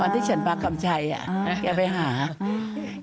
วันที่ฉันมาคำชายอ่ะอ่าเขาไปหาอืม